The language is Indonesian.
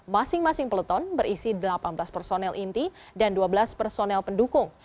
masing masing peleton berisi delapan belas personel inti dan dua belas personel pendukung